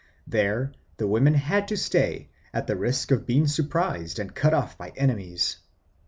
There the women had to stay, at the risk of being surprised and cut off by enemies.